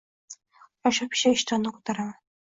Shosha-pisha ishtonni ko‘taraman.